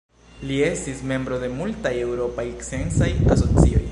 Li estis membro de multaj eŭropaj sciencaj asocioj.